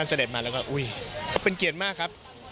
แล้วก็เป็นเกียรติมากครับ